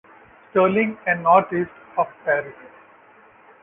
Sterling, and northeast of Paris.